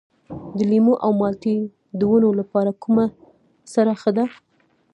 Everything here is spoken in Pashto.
د لیمو او مالټې د ونو لپاره کومه سره ښه ده؟